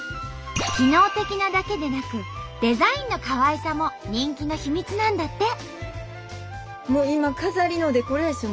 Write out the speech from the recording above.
機能的なだけでなくデザインのかわいさも人気の秘密なんだって！